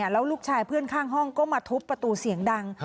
แล้วลูกชายเพื่อนข้างห้องก็มาทุบประตูเสียงดัง